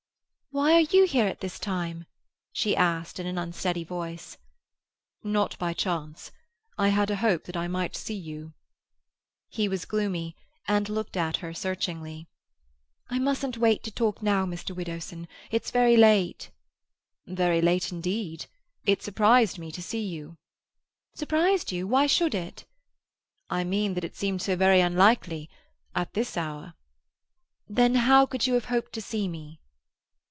"Why are you here at this time?" she asked in an unsteady voice. "Not by chance. I had a hope that I might see you." He was gloomy, and looked at her searchingly. "I mustn't wait to talk now, Mr. Widdowson. It's very late." "Very late indeed. It surprised me to see you." "Surprised you? Why should it?" "I mean that it seemed so very unlikely—at this hour." "Then how could you have hoped to see me?"